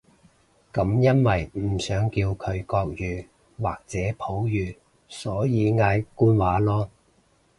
噉因為唔想叫佢國語或者普語，所以嗌官話囉